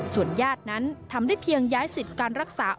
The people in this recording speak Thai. ส่วนญาตินั้นทำได้เพียงย้ายสิทธิ์การรักษา